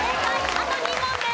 あと２問です！